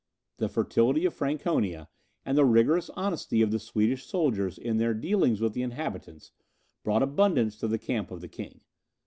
The fertility of Franconia, and the rigorous honesty of the Swedish soldiers in their dealings with the inhabitants, brought abundance to the camp of the king.